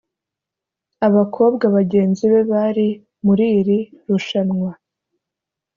Abakobwa bagenzi be bari muri iri rushanwa